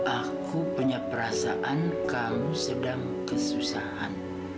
aku punya perasaan kamu sedang kesusahan